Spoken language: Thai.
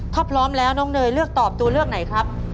ถ้าพร้อมแล้วน้องเนยเลือกตอบตัวเลือกไหนครับ